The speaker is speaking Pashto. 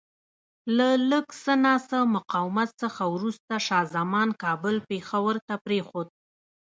له لږ څه ناڅه مقاومت څخه وروسته شاه زمان کابل پېښور ته پرېښود.